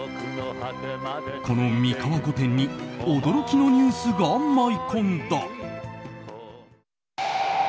この美川御殿に驚きのニュースが舞い込んだ。